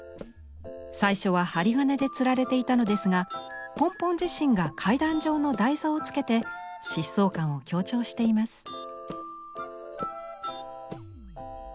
最初は針金でつられていたのですがポンポン自身が階段状の台座を付けて疾走感を強調しています。